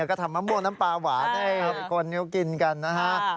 ก็ทำมะม่วงน้ำปลาหวานให้ไปโกนนิ้วกินกันนะฮะ